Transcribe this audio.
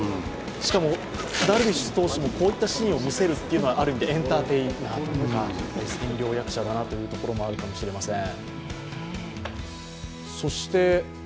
しかも、ダルビッシュ投手もこういったシーンを見せるのはある意味エンターテイナーというか、千両役者だなというところもあるかもしれません。